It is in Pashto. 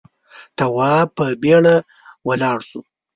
تواب په بيړه ولاړ شو.